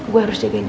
gue harus jagain dia